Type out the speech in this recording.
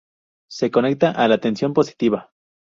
Se conecta a la tensión positiva.